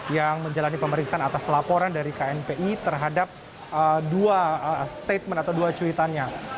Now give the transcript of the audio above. yang menjalani pemeriksaan atas laporan dari knpi terhadap dua statement atau dua cuitannya